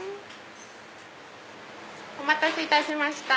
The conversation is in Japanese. お待たせいたしました。